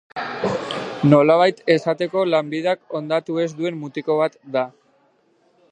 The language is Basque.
Nolabait esateko, lanbideak hondatu ez duen mutiko bat da.